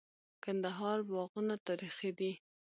د کندهار باغونه تاریخي دي.